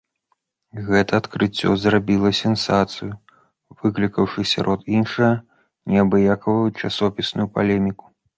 Гэта адкрыццё зрабіла сенсацыю, выклікаўшы сярод іншага, неабыякую часопісную палеміку.